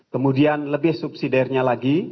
kemudian lebih subsidiarnya lagi